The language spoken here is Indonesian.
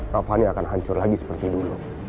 kak fanny akan hancur lagi seperti dulu